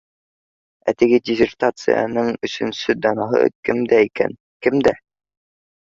Ә теге диссертацияның өсөнсө данаһы кемдә икән? Кемдә?